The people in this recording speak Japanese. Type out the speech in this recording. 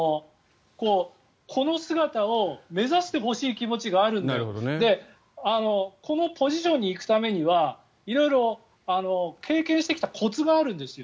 この姿を目指してほしい気持ちがあるんだけどこのポジションに行くためには色々、経験してきたコツがあるんですよ。